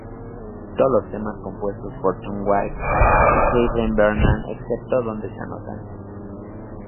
Todos los temas compuestos por Tom Waits y Kathleen Brennan excepto donde se anota.